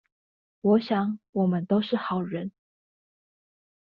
我想我們都是好人